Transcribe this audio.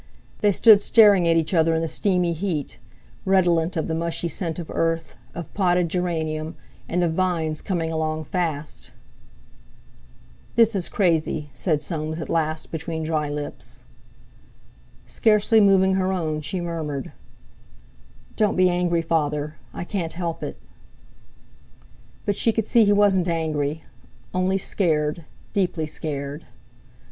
They stood staring at each other in the steamy heat, redolent of the mushy scent of earth, of potted geranium, and of vines coming along fast. "This is crazy," said Soames at last, between dry lips. Scarcely moving her own, she murmured: "Don't be angry, Father. I can't help it." But she could see he wasn't angry; only scared, deeply scared.